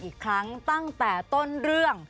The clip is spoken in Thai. ที่เขาไม่ได้ดู